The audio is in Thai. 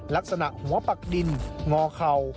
ลักษณะหัวปักดินงอเข่า